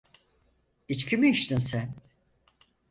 İçki mi içtin sen?